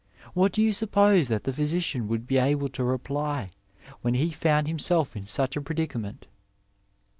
What do you suppose that the physician would be able to leply when he found himself in such a predicament?